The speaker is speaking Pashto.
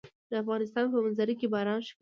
د افغانستان په منظره کې باران ښکاره ده.